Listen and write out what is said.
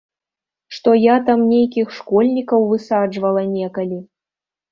Што я там нейкіх школьнікаў высаджвала некалі.